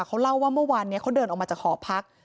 ใครอะไรก็รีบเดินผ่านไป